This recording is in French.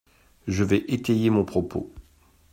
Je vais étayer mon propos.